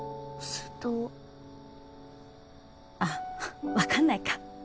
あっわかんないか。